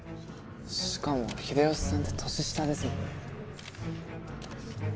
しかも秀吉さんって年下ですもんね。